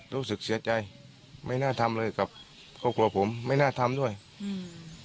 รู้สึกเสียใจไม่น่าทำเลยกับครอบครัวผมไม่น่าทำด้วยอืม